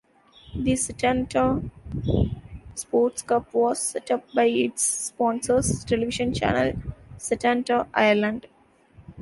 The Setanta Sports Cup was set up by its sponsors, television channel Setanta Ireland.